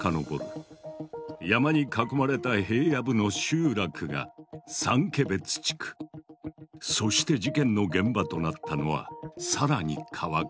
山に囲まれた平野部の集落がそして事件の現場となったのは更に川上。